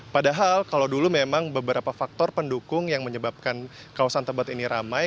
padahal kalau dulu memang beberapa faktor pendukung yang menyebabkan kawasan tebet ini ramai